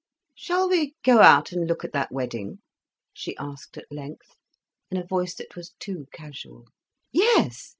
"Shall we go out and look at that wedding?" she asked at length, in a voice that was too casual. "Yes!"